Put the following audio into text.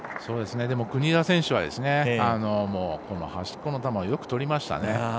国枝選手は端っこの球をよく取りましたね。